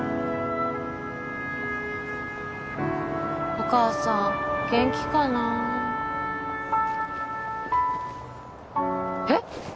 お母さん元気かなえっ？